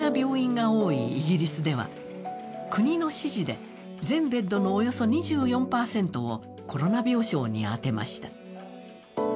公的な病院が多いイギリスでは、国の指示で全ベッドのおよそ２４％をコロナ病床に充てました。